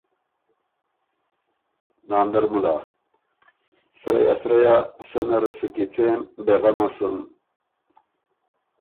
ناندر مُلا ـــ”سرۀ یا سرۀ یا، سنه ره سو کیڅېم، بې غمه سُن۔“